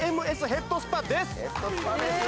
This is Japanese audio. ヘッドスパです